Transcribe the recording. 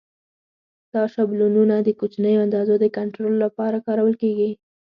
دا شابلونونه د کوچنیو اندازو د کنټرول لپاره کارول کېږي.